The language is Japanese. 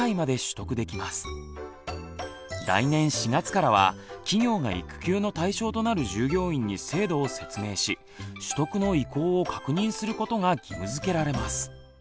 来年４月からは企業が育休の対象となる従業員に制度を説明し取得の意向を確認することが義務づけられます。